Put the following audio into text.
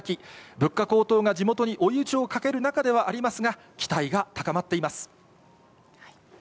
物価高騰が地元に追い打ちをかける中ではありますが期待が高まっています。